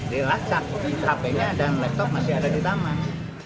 dilacak hp nya dan laptop masih ada di taman